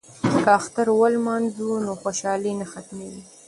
که اختر ولمانځو نو خوشحالي نه ختمیږي.